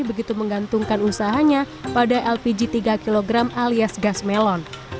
begitu menggantungkan usahanya pada lpg tiga kg alias gas melon